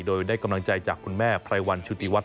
โดยได้กำลังใจจากคุณแม่ไพรวันชุติวัฒ